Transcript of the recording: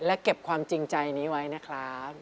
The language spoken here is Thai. และเก็บความจริงใจนี้ไว้นะครับ